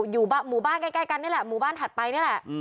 อยู่หมู่บ้านใกล้กันนี่แหละหมู่บ้านถัดไปนี่แหละ